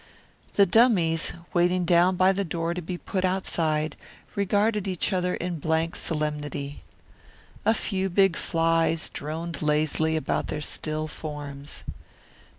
The dummies, waiting down by the door to be put outside, regarded each other in blank solemnity. A few big flies droned lazily about their still forms.